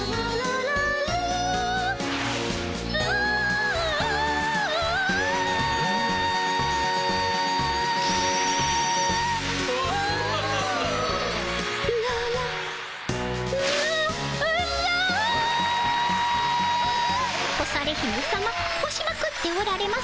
「ララララ」干され姫さま干しまくっておられます。